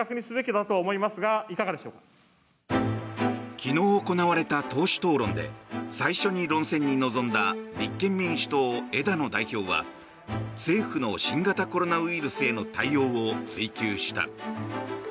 昨日行われた党首討論で最初に論戦に臨んだ立憲民主党、枝野代表は政府の新型コロナウイルスへの対応を追及した。